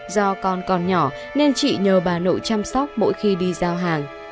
do con còn nhỏ nên chị nhờ bà nội chăm sóc mỗi khi đi giao hàng